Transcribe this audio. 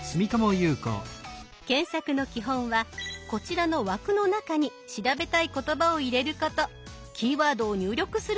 検索の基本はこちらの枠の中に調べたい言葉を入れること。